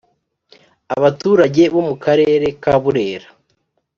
Abaturage bo mu karere ka burera.